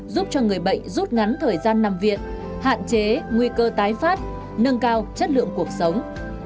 giúp cho người bệnh rút ngắn thời gian nằm viện hạn chế nguy cơ tái phát nâng cao chất lượng cuộc sống